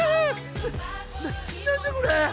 なな何だこれ！